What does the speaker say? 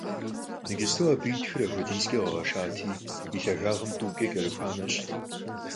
Иджыпсту абы и тхыр апхуэдизкӀэ къэгъэшати, и лъагагъым тӀукӀэ кӀэрыхуам ещхьт.